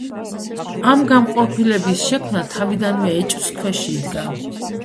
ამ განყოფილების შექმნა თავიდანვე ეჭვს ქვეშ იდგა.